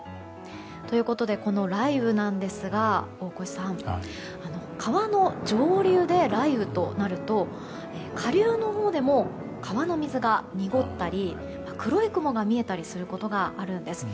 この雷雨なんですが、大越さん川の上流で雷雨となると下流のほうでも川の水が濁ったり黒い雲が見えたりすることがあるんです。